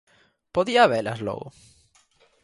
Podía habelas logo?